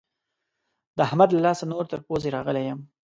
د احمد له لاسه نور تر پوزې راغلی يم.